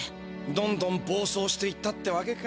どんどんぼう走していったってわけか。